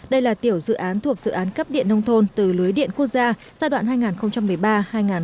đây là tiểu dự án thuộc dự án cấp điện nông thôn từ lưới điện quốc gia giai đoạn hai nghìn một mươi ba hai nghìn hai mươi